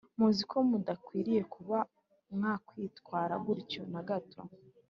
muziko mudakwiriye kuba mwakwitwara gutyo na gato